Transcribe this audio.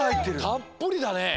たっぷりだね。